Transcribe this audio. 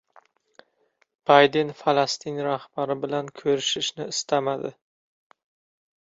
Bayden Falastin rahbari bilan ko‘rishishni istamadi